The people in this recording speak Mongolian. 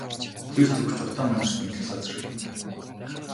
Тэр зүг ч утаа манарч мэдэх л газар.